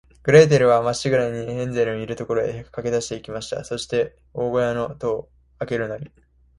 グレーテルは、まっしぐらに、ヘンゼルのいる所へかけだして行きました。そして、犬ごやの戸をあけるなり、